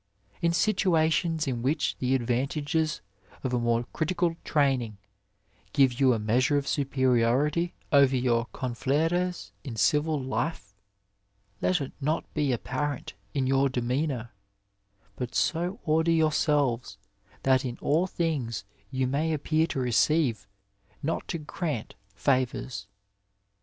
In situations in which the advantages of a more critical training give you a measure 116 Digitized by VjOOQiC THB ARMY StJRGEON of snpericmty over your confrires in civil life, let it not be apparent in yonr demeanour, but so order yourselves that in all things you may appear to receive, not to grant &votcrB.